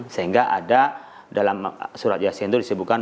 sehingga ada dalam surat yasin itu disebutkan